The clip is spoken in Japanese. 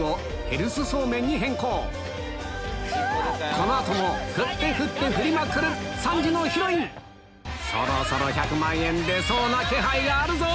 この後も振って振って振りまくる３時のヒロインそろそろ１００万円出そうな気配があるぞ！